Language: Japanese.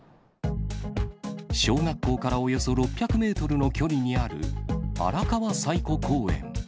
小学校からおよそ６００メートルの距離にある荒川彩湖公園。